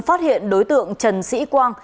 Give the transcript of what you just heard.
phát hiện đối tượng trần sĩ quang